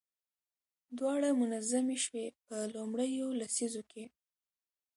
دواړه منظمې شوې. په لومړيو لسيزو کې